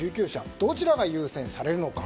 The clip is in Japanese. どちらが優先されるのか。